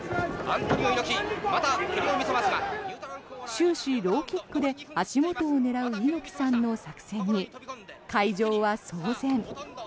終始、ローキックで足元を狙う猪木さんの作戦に会場は騒然。